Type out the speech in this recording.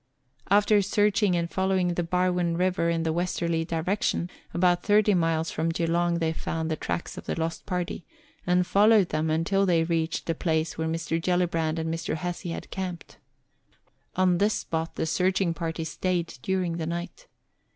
After searching and following the Barwon River in a westerly direction, about thirty miles from Geelong they found the tracks of the lost party, and followed them until they reached the place where Mr. Gellibrand and Mr. Hesse had camped. On this spot the searching party stayed during the night.